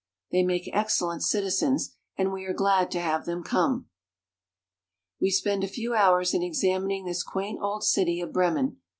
They make excellent citi zens, and we are glad to have them come. We spend a few hours in examining this quaint old city of Bremen.